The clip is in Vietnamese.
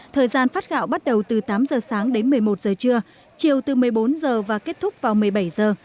thời gian phát gạo bắt đầu từ tám giờ sáng đến một mươi một giờ trưa chiều từ một mươi bốn giờ và kết thúc vào một mươi bảy giờ